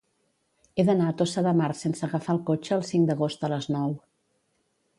He d'anar a Tossa de Mar sense agafar el cotxe el cinc d'agost a les nou.